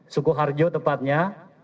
suku harjo tepatnya